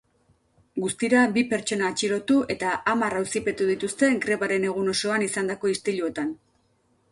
Guztira bi pertsona atxilotu eta hamar auzipetu dituzte grebaren egun osoan izandako istiluetan.